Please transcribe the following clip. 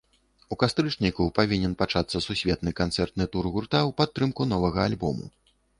У кастрычніку павінен пачацца сусветны канцэртны тур гурта ў падтрымку новага альбому.